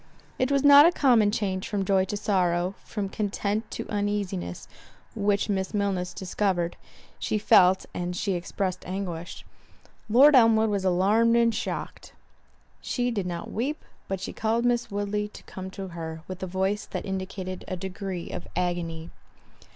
It was not a common change from joy to sorrow, from content to uneasiness, which Miss Milner discovered—she felt, and she expressed anguish—Lord Elmwood was alarmed and shocked. She did not weep, but she called Miss Woodley to come to her, with a voice that indicated a degree of agony.